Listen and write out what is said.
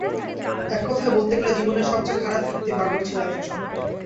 এককথায় বলতে গেলে জীবনের সবচেয়ে খারাপ ঈদটি পার করেছিলাম সেই সময়।